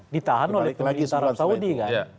ditahan oleh pemerintah arab saudi kan